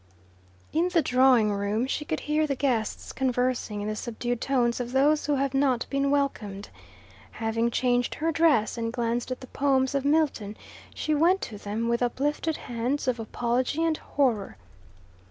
In the drawing room she could hear the guests conversing in the subdued tones of those who have not been welcomed. Having changed her dress and glanced at the poems of Milton, she went to them, with uplifted hands of apology and horror.